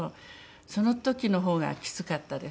その時の方がきつかったです。